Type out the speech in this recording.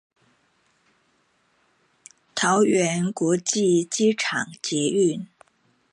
桃園國際機場捷運